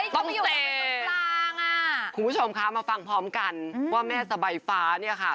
ต้องแสนคุณผู้ชมค่ะมาฟังพร้อมกันว่าแม่สบายฟ้านี่ค่ะ